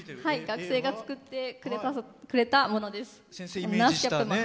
学生が作ってくれたものです。